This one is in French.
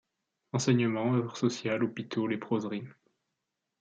Enseignement, œuvres sociales, hôpitaux, léproseries.